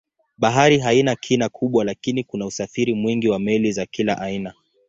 Bahari haina kina kubwa lakini kuna usafiri mwingi wa meli za kila aina.